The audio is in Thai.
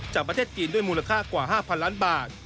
จากประเทศจีนด้วยมูลค่ากว่า๕๐๐ล้านบาท